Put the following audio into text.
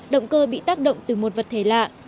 động cơ bị tác động từ một vật thể lạ